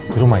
di rumah ya